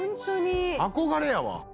憧れやわ。